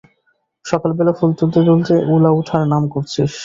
সকালবেলা ফুল তুলতে তুলতে ওলাউঠার নাম করছিস!